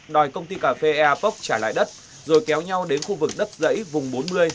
đòi công ty cà phê eapoc trả lại đất rồi kéo nhau đến khu vực đất dãy vùng bốn mươi